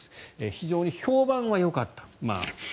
非常に評判はよかった。